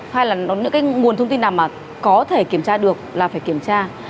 hay là những cái nguồn thông tin nào mà có thể kiểm tra được là phải kiểm tra